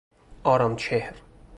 آرامچهر